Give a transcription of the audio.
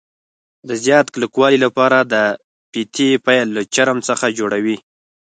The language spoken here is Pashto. د زیات کلکوالي له پاره د فیتې پیل له چرم څخه جوړوي.